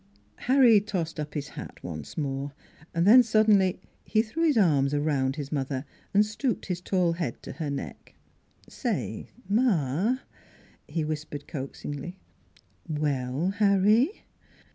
" Harry tossed up his hat once more. Then sud denly he threw his arms around his mother and stooped his tall head to her neck. " Say, ma," he whispered coaxingly. "Well, Harry?"